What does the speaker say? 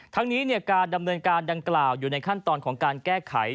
ทั้งนี้การดำเนินการดังกล่าวอยู่ในขั้นตอนของการแก้ไข